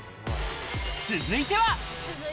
続いては。